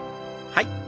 はい。